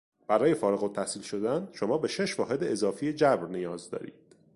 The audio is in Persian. برای فارغ التحصیل شدن شما به شش واحد اضافی جبر نیاز دارید.